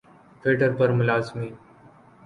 Twitter پر ملازمین